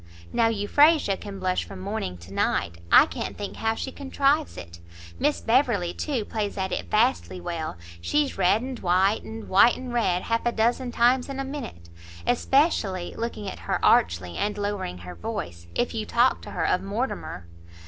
Now Euphrasia can blush from morning to night. I can't think how she contrives it. Miss Beverley, too, plays at it vastly well; she's red and white, and white and red half a dozen times in a minute. Especially," looking at her archly, and lowering her voice, "if you talk to her of Mortimer!"